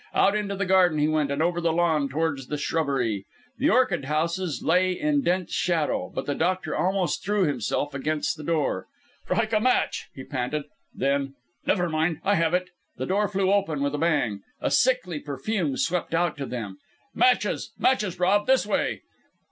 Out into the garden he went and over the lawn towards the shrubbery. The orchid houses lay in dense shadow; but the doctor almost threw himself against the door. "Strike a match!" he panted. Then "Never mind I have it!" The door flew open with a bang. A sickly perfume swept out to them. "Matches! matches, Rob! this way!"